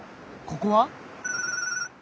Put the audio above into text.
ここは？